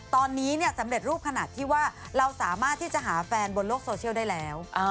ตอนนี้สำเร็จรูปขนาดที่ว่าเราสามารถที่จะหาแฟนบนโลกโซเชียลได้แล้ว